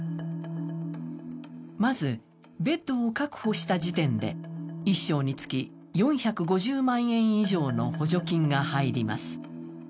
まず、ベッドを確保した時点で１床につき４５０万円以上の補助金が入ります。